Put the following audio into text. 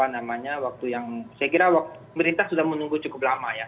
saya kira pemerintah sudah menunggu cukup lama ya